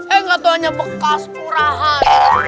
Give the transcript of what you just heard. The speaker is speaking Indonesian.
eh katanya bekas kurahan